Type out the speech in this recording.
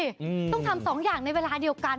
อืมต้องทำสองอย่างในเวลาเดียวกัน